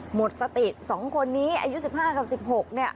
หมดสติ๒คนนี้อายุ๑๕กับ๑๖เนี่ย